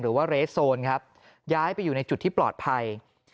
หรือว่าเรสโซนครับย้ายไปอยู่ในจุดที่ปลอดภัย